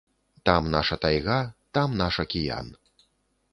Там наша тайга, там наш акіян.